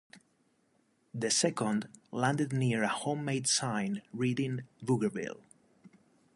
The second landed near a home-made sign reading Boogerville.